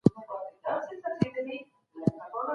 دا انځور د کمپیوټر په ذریعه جوړ سوی دی.